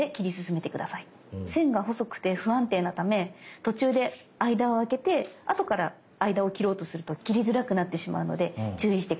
線が細くて不安定なため途中で間をあけて後から間を切ろうとすると切りづらくなってしまうので注意して下さい。